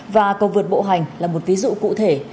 và cầu vượt bộ hành là một ví dụ cụ thể